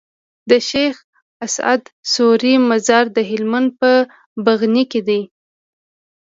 د شيخ اسعد سوري مزار د هلمند په بغنی کي دی